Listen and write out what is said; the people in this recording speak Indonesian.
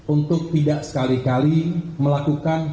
untuk tidak sekali kali melakukan